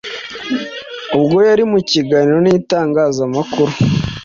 ubwo yari mu kiganiro n’itangazamakuru